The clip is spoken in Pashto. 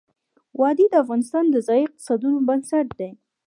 وادي د افغانستان د ځایي اقتصادونو بنسټ دی.